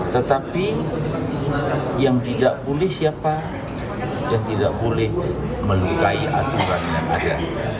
tetapi yang tidak boleh siapa yang tidak boleh melukai aturan yang ada